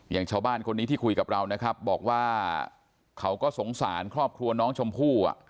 อย่างชาวบ้านคนนี้ที่คุยกับเรานะครับบอกว่าเขาก็สงสารครอบครัวน้องชมพู่